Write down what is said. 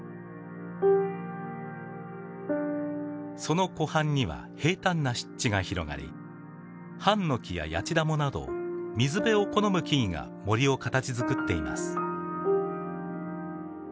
その湖畔には平たんな湿地が広がりハンノキやヤチダモなど水辺を好む木々が森を形づくっています。